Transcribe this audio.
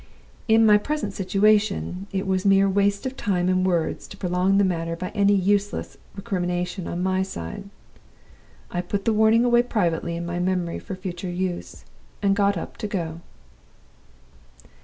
In my present situation, it was mere waste of time and words to prolong the matter by any useless recrimination on my side. I put the warning away privately in my memory for future use, and got up to go.